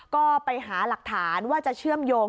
ก็ไปหาหลักฐานว่าจะเชื่อมโยง